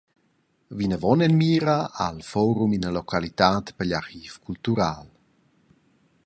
Vinavon en mira ha il forum ina localitad per igl archiv cultural.